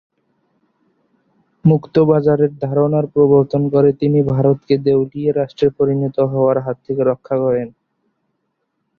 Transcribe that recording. মুক্ত বাজারের ধারণার প্রবর্তন করে তিনি ভারতকে দেউলিয়া রাষ্ট্রে পরিণত হওয়ার হাত থেকে রক্ষা করেন।